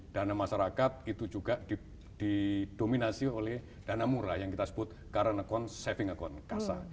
dana masyarakat itu juga didominasi oleh dana murah yang kita sebut current account saving account kasa